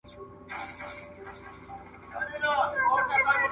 دا زه څومره بېخبره وم له خدایه